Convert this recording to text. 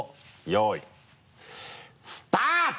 よいスタート！